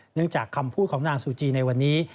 เนื่องจากคำพูดของนางซูจีในวันนี้